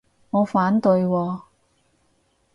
我反對喎